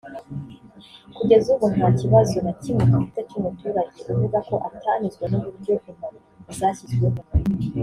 Kugeza ubu nta kibazo na kimwe dufite cy’umuturage uvuga ko atanyuzwe n’uburyo imbago zashyizweho